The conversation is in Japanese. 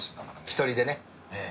一人でね。